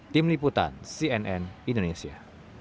tim liputan cnn indonesia